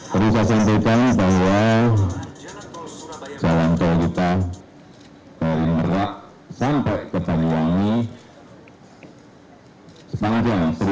terus asentikan bahwa jalan tol kita dari merak sampai ke paliangi sepanjang satu satu ratus sembilan puluh tujuh km